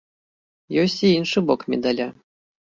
Ёсць і іншы бок медаля.